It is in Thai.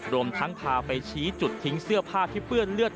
รวมทั้งพาไปชี้จุดทิ้งเสื้อผ้าที่เปื้อนเลือด